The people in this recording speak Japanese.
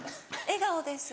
笑顔です。